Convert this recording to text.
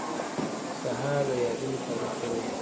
سهار د یادونو تازه کول دي.